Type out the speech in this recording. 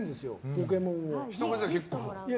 「ポケモン」を。